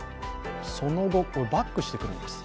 その後、バックしてくるんです。